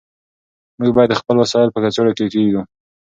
موږ باید خپل وسایل په کڅوړه کې کېږدو.